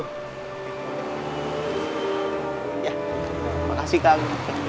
ih ya terima kasih kang